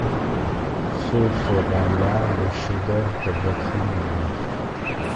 Ce sera là le chef-d’œuvre de votre ignorance.